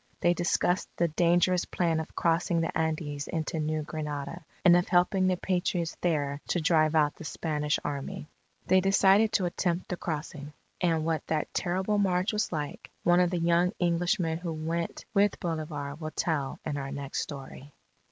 They discussed the dangerous plan of crossing the Andes into New Granada, and of helping the Patriots there to drive out the Spanish Army. They decided to attempt the crossing. And what that terrible march was like, one of the young Englishmen who went with Bolivar, will tell in our next story.